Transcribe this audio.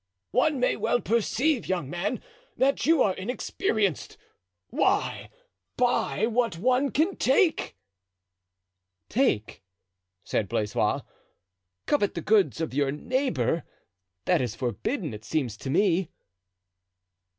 "One may well perceive, young man, that you are inexperienced. Why buy what one can take?" "Take!" said Blaisois; "covet the goods of your neighbor? That is forbidden, it seems to me."